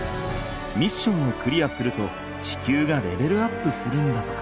ミッションをクリアすると地球がレベルアップするんだとか。